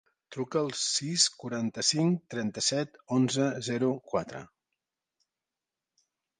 Truca al sis, quaranta-cinc, trenta-set, onze, zero, quatre.